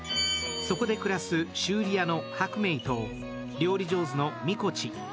そこで暮らす修理屋のハクメイと料理上手のミコチ。